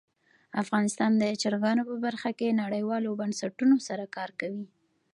افغانستان د چرګان په برخه کې نړیوالو بنسټونو سره کار کوي.